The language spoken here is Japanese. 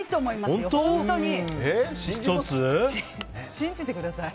信じてください。